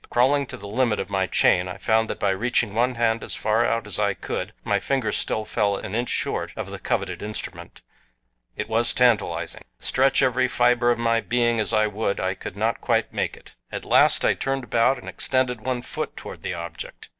Crawling to the limit of my chain, I found that by reaching one hand as far out as I could my fingers still fell an inch short of the coveted instrument. It was tantalizing! Stretch every fiber of my being as I would, I could not quite make it. At last I turned about and extended one foot toward the object.